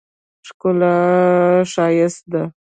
ښکلا ښایسته ده.